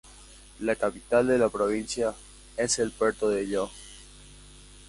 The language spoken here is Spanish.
La capital de la provincia es el puerto de Ilo.